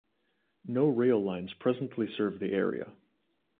No rail lines presently serve the area.